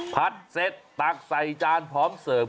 ผัดเสร็จตักใส่จานพร้อมเสิร์ฟ